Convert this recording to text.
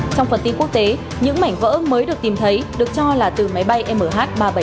trong phần tin quốc tế những mảnh vỡ mới được tìm thấy được cho là từ máy bay mh ba trăm bảy mươi bảy